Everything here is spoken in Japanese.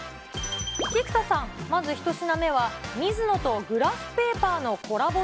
菊田さん、まず１品目は、ミズノとグラフペーパーのコラボ